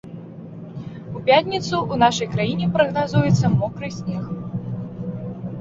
У пятніцу ў нашай краіне прагназуецца мокры снег.